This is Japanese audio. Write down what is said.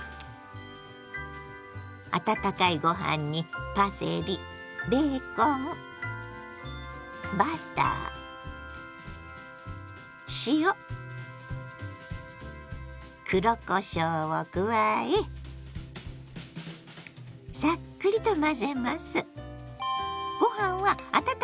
温かいご飯にパセリベーコンバター塩黒こしょうを加えサックリと混ぜます。